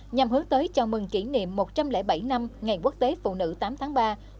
nhằm hướng tới chào mừng kỷ niệm một trăm linh bảy năm ngày quốc tế phụ nữ tám tháng ba